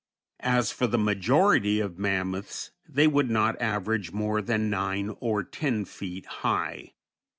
As for the majority of mammoths, they would not average more than nine or ten feet high.